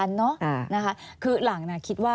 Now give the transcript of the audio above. อันดับ๖๓๕จัดใช้วิจิตร